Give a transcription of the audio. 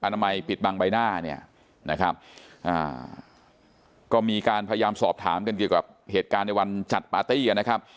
นามัยปิดบังใบหน้าเนี่ยนะครับอ่าก็มีการพยายามสอบถามกันเกี่ยวกับเหตุการณ์ในวันจัดปาร์ตี้นะครับ